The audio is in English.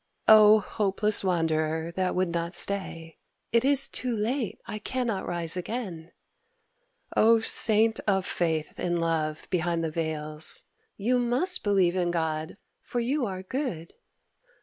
O hopeless wanderer that would not stay, ("It is too late, I cannot rise again!") O saint of faith in love behind the veils, ("You must believe in God, for you are good!")